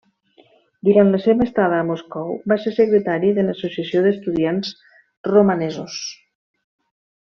Durant la seva estada a Moscou va ser secretari de l'Associació d'Estudiants Romanesos.